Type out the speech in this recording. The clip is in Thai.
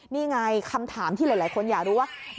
นี่ไงคำถามที่หลายคนอยากรู้ว่า